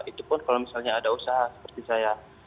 itu pun kalau misalnya ada usaha seperti saya